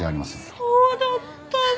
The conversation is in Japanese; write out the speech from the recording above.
そうだったんだ！